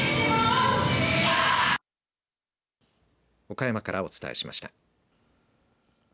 岡山からお伝えしました。